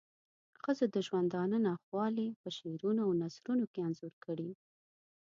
ښځو د ژوندانه ناخوالی په شعرونو او نثرونو کې انځور کړې.